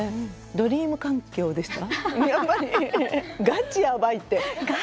「ドリーム環境」ですか？